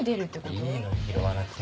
いいの拾わなくて。